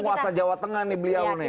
penguasa jawa tengah nih beliau nih